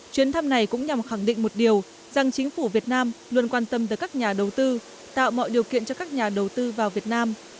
chuyến thăm này cũng nhằm khẳng định một điều rằng chính phủ việt nam luôn quan tâm tới các nhà đầu tư tạo mọi điều kiện cho các nhà đầu tư vào việt nam